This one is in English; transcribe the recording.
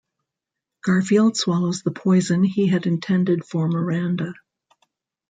Garfield swallows the poison he had intended for Miranda.